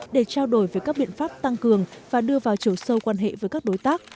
để trao đổi về các biện pháp tăng cường và đưa vào chiều sâu quan hệ với các đối tác